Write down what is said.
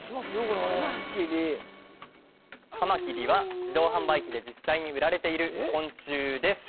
これはカマキリは自動販売機で実際に売られている昆虫です